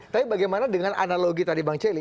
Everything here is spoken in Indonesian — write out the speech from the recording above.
tapi bagaimana dengan analogi tadi bang celi